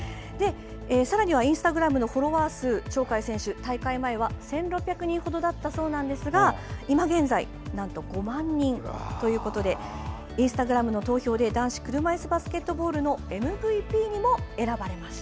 さらにインスタグラムのフォロワー数が鳥海選手、大会前は１６００人ほどだったそうですが今現在なんと５万人ということでインスタグラムの投票で男子車いすバスケットボールのＭＶＰにも選ばれました。